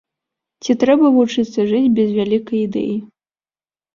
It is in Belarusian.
Ці трэба вучыцца жыць без вялікай ідэі?